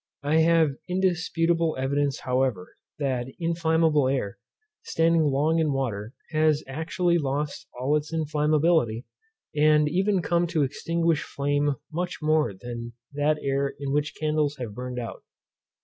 I have indisputable evidence, however, that inflammable air, standing long in water, has actually lost all its inflammability, and even come to extinguish flame much more than that air in which candles have burned out.